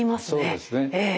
そうですね。